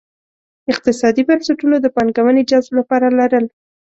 اقتصادي بنسټونو د پانګونې جذب لپاره لرل.